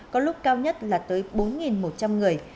có lúc cao nhất là tới bốn một trăm linh người